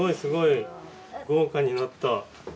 豪華になった。